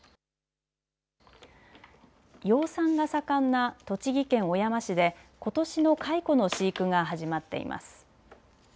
養蚕が盛んな栃木県小山市でことしの蚕の飼育が始まっています。